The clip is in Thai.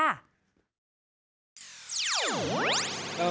แขกบานไกล